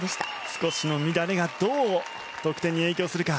少しの乱れがどう得点に影響するか。